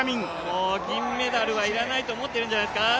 もう銀メダルは要らないと思っているんじゃないですか。